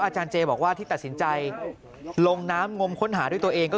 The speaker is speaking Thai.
อาจารย์เจบอกว่าที่ตัดสินใจลงน้ำงมค้นหาด้วยตัวเองก็คือ